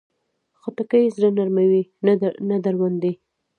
خټکی زړه نرموي، نه دروندوي.